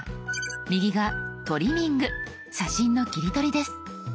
右が「トリミング」写真の切り取りです。